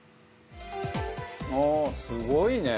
「ああすごいね！」